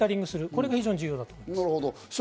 これが重要だと思います。